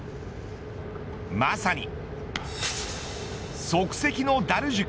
まさに即席のダル塾。